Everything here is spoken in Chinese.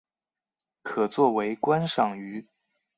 可做为观赏鱼。